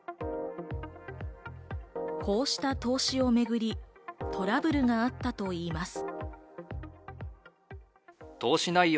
こうした投資をめぐり、トラブルがあったといいます。